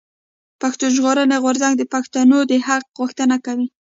پښتون ژغورنې غورځنګ د پښتنو د حق غوښتنه کوي.